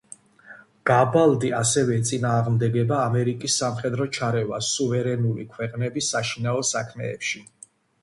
გაბალდი ასევე ეწინააღმდეგება ამერიკის სამხედრო ჩარევას სუვერენული ქვეყნების საშინაო საქმეებში.